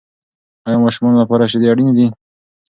آیا ماشومانو لپاره شیدې اړینې دي؟